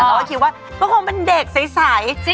เราคิดว่าก็คงเป็นเด็กใส